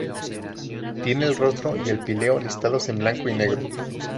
Tiene el rostro y el píleo listados en blanco y negro.